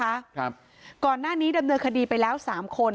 ครับก่อนหน้านี้ดำเนินคดีไปแล้วสามคน